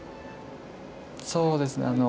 そうですね。